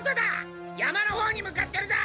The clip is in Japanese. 山のほうに向かってるぞ！